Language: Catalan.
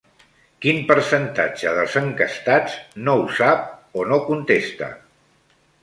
Quin percentatge dels enquestats no ho sap o no contesta?